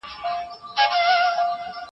زه به سبا سبزېجات جمع کړم.